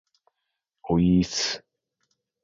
おいーっす